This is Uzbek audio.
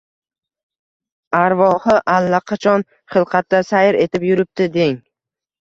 Arvohi... allaqachon xilqatda sayr etib yuribdi, deng.